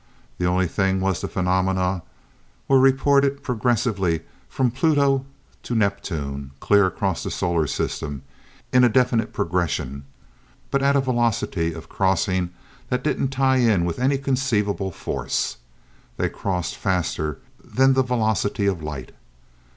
The only thing was the phenomena were reported progressively from Pluto to Neptune, clear across the solar system, in a definite progression, but at a velocity of crossing that didn't tie in with any conceivable force. They crossed faster than the velocity of light.